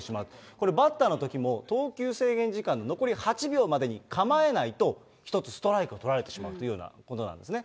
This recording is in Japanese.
これ、バッターのときも投球制限時間残り８秒までに構えないと、１つストライクをとられてしまうというようなことなんですね。